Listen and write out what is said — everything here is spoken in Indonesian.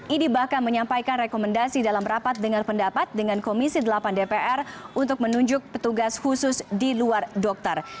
idi bahkan menyampaikan rekomendasi dalam rapat dengan pendapat dengan komisi delapan dpr untuk menunjuk petugas khusus di luar dokter